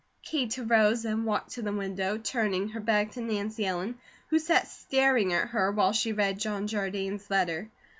Kate arose and walked to the window, turning her back to Nancy Ellen, who sat staring at her, while she read John Jardine's letter.